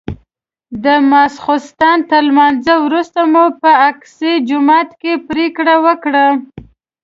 د ماسختن تر لمانځه وروسته مو په اقصی جومات کې پرېکړه وکړه.